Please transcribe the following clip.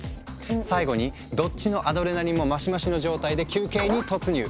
最後にどっちのアドレナリンもマシマシの状態で休憩に突入。